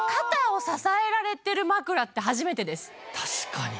確かに。